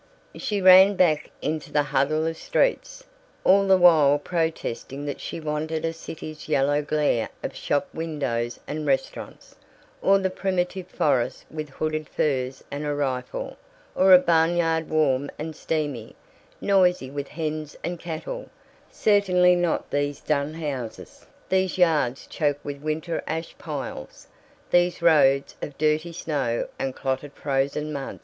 She ran back into the huddle of streets, all the while protesting that she wanted a city's yellow glare of shop windows and restaurants, or the primitive forest with hooded furs and a rifle, or a barnyard warm and steamy, noisy with hens and cattle, certainly not these dun houses, these yards choked with winter ash piles, these roads of dirty snow and clotted frozen mud.